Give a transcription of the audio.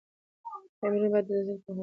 تعميرونه باید د زلزلي په مقابل کي کلک وی.